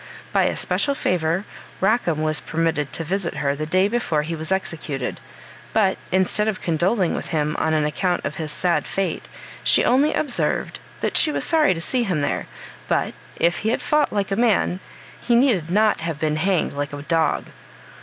By a special favor, Rackam was permitted to visit her the day before he was executed; but, instead of condoling with him on account of his sad fate, she only observed, that she was sorry to see him there, but if he had fought like a man he needed not have been hanged like a dog.